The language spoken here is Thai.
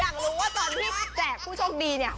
อยากรู้ว่าตอนที่แจกผู้โชคดีเนี่ย